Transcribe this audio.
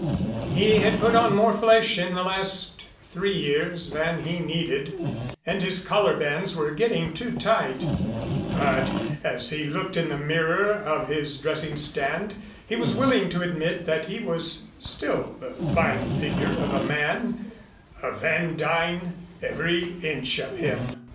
He had put on more flesh in the last three years than he needed, and his collar bands were getting too tight; but as he looked in the mirror of his dressing stand, he was willing to admit that he was still the fine figure of a man a Van Duyn every inch of him.